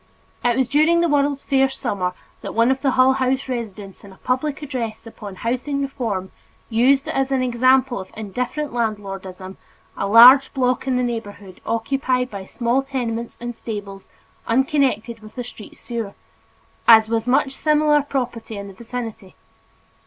It was during the World's Fair summer that one of the Hull House residents in a public address upon housing reform used as an example of indifferent landlordism a large block in the neighborhood occupied by small tenements and stables unconnected with a street sewer, as was much similar property in the vicinity.